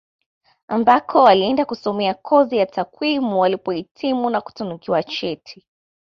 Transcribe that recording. Ambako alienda kusomea kozi ya takwimu alipohitimu na kutunikiwa cheti